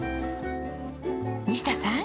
西田さん。